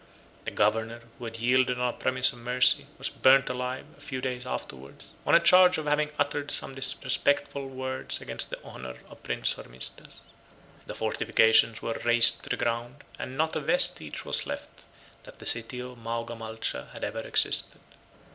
The governor, who had yielded on a promise of mercy, was burnt alive, a few days afterwards, on a charge of having uttered some disrespectful words against the honor of Prince Hormisdas. The fortifications were razed to the ground; and not a vestige was left, that the city of Maogamalcha had ever existed.